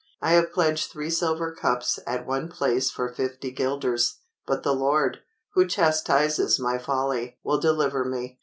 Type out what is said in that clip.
I have pledged three silver cups at one place for 50 guilders; but the Lord, who chastises my folly, will deliver me.